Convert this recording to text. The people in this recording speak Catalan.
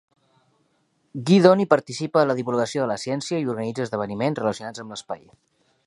Guidoni participa a la divulgació de la ciència i organitza esdeveniments relacionats amb l"espai.